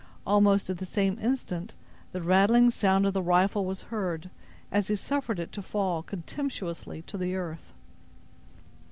Almost at the same instant, the rattling sound of the rifle was heard, as he suffered it to fall, contemptuously, to the earth.